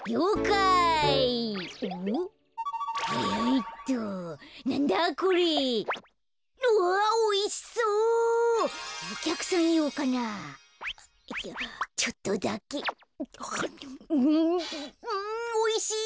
あむうんおいしい。